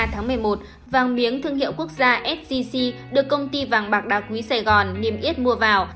một mươi ba tháng một mươi một vàng miếng thương hiệu quốc gia sgc được công ty vàng bạc đặc quý sài gòn niêm yết mua vào